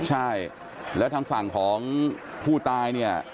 ใช่แล้วทางฝั่งของผู้ตายเนี่ย